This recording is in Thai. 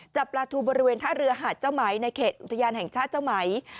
จับปลาทูบริเวณท่าเรือหาดเจ้าไหมในเขตอุทยานแห่งชาติเจ้าไหม